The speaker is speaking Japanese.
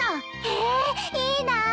へえいいなあ。